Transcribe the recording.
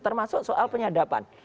termasuk soal penyadapan